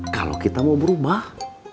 kalau kita mau berubah